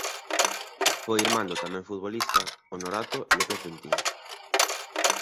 Foi irmán do tamén futbolista Honorato López Ventín.